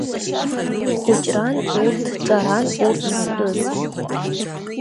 Хәыҷран урҭ, ҿаран урҭ зтәыз.